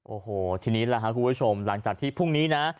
โอ้โหทีนี้ล่ะครับคุณผู้ชมหลังจากที่พรุ่งนี้นะ